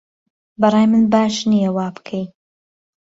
بەڕای من باش نییە وابکەی